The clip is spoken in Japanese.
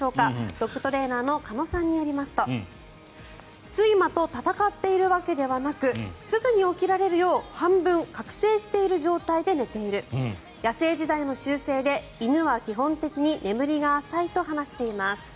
ドッグトレーナーの鹿野さんによりますと睡魔と闘っているわけではなくすぐに起きられるよう半分覚醒している状態で寝ている野生時代の習性で、犬は基本的に眠りが浅いと話しています。